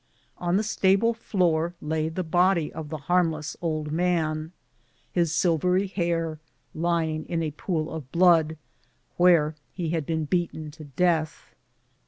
On the stable floor lay the body of the harmless old man, his silvery hair lying in a pool of blood, where he had been beaten to death.